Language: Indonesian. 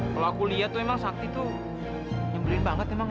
kalau aku lihat tuh emang sakti tuh nyemberin banget emang